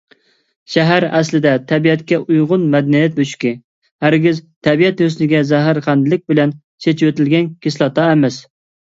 شەھەر ئەسلىدە تەبىئەتكە ئۇيغۇن مەدەنىيەت بۆشۈكى، ھەرگىز تەبىئەت ھۆسنىگە زەھەرخەندىلىك بىلەن چېچىۋېتىلگەن كىسلاتا ئەمەس.